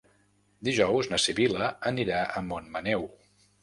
Dijous na Sibil·la anirà a Montmaneu.